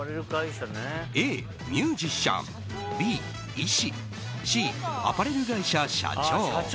Ａ、ミュージシャンＢ、医師Ｃ、アパレル会社社長。